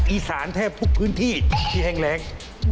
แทบทุกพื้นที่ที่แห้งแรง